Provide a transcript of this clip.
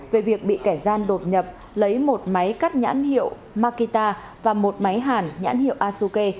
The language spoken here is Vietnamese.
về việc bị kẻ gian đột nhập lấy một máy cắt nhãn hiệu makita và một máy hàn nhãn hiệu asuke